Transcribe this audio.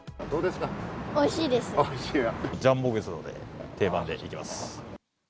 どうですか？